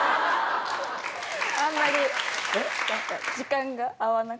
あんまり時間が合わなくて。